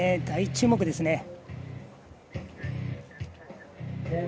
大注目ですね。